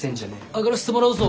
上がらせてもらうぞ。